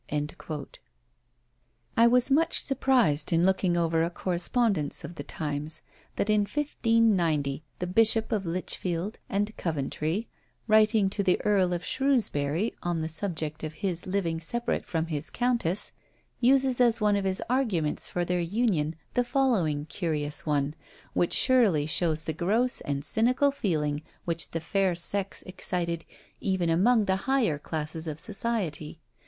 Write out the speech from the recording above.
I was much surprised in looking over a correspondence of the times, that in 1590 the Bishop of Lichfield and Coventry, writing to the Earl of Shrewsbury on the subject of his living separate from his countess, uses as one of his arguments for their union the following curious one, which surely shows the gross and cynical feeling which the fair sex excited even among the higher classes of society.